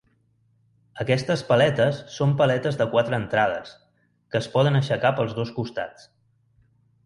Aquestes paletes són paletes de quatre entrades, que es poden aixecar pels dos costats.